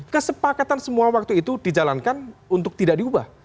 kesepakatan semua waktu itu dijalankan untuk tidak diubah